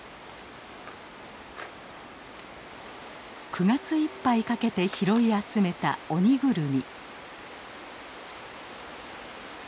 ９月いっぱいかけて拾い集めたオニグルミ。